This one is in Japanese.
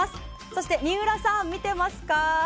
そして水卜さん、見てますか？